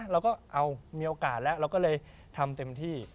เราก็เอามีโอกาสแล้วเราก็เลยทำเต็มที่